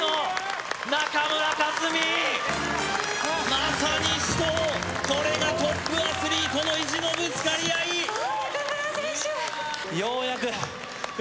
まさに死闘これがトップアスリートの意地のぶつかり合いさあ中村選手